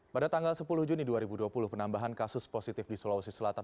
pada tanggal sepuluh juni dua ribu dua puluh penambahan kasus positif di sulawesi selatan